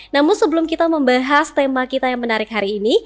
namun sebelum kita membahas tema kita yang menarik hari ini